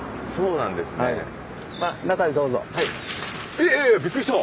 えっえっびっくりした！